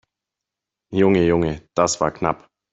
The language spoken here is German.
Junge, Junge, das war knapp!